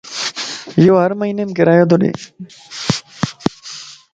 يوھر مھينيم ڪرايو تو ڏي